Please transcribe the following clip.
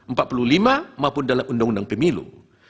maupun dalam undang undang pemilu